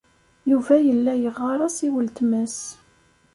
Yuba yella yeɣɣar-as i weltma-s.